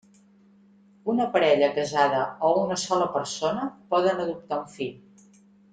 Una parella casada o una sola persona poden adoptar un fill.